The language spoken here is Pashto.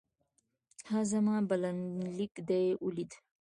هغه زما بلنليک دې ولېد؟